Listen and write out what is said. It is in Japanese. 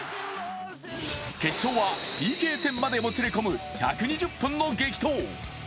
決勝はＰＫ戦までもつれ込む１２０分の激闘。